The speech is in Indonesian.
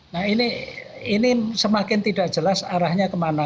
nah ini semakin tidak jelas arahnya ke mana